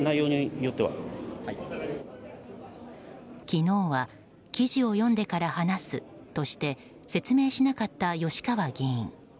昨日は記事を読んでから話すとして説明しなかった吉川議員。